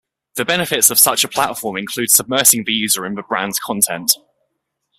The benefits of such a platform include submersing the user in the brand's content.